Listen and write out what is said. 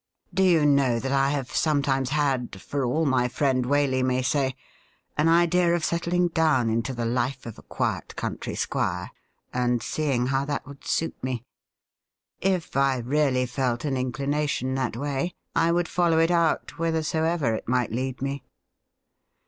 Do you know that I have sometimes had, for all my friend Waley may say, an idea of settling down into the life of a quiet country squire, and seeing how that would suit me ? If I really felt an inclination that way, I would follow it out whithersoever it might lead me.'